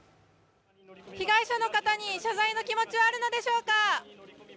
被害者の方に謝罪の気持ちはあるのでしょうか。